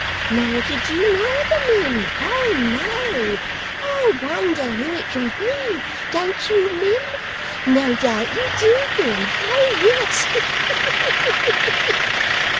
Nor did you neither, mim ho no. I wonder who it can be don't you, mim? No doubt you do, mim. Ho yes. He he he!